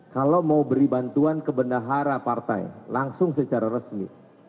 kalau mau beri bantuan ke bendahara partai langsung secara resmi